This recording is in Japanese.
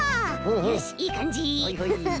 よしいいかんじフフッ。